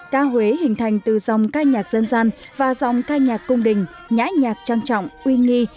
ca huế hình thành từ dòng ca nhạc dân gian và dòng ca nhạc cung đình nhãi nhạc trang trọng uy nghi